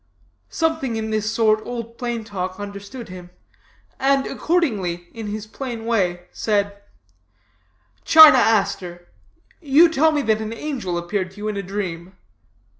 Something in this sort Old Plain Talk understood him, and, accordingly, in his plain way, said: 'China Aster, you tell me that an angel appeared to you in a dream.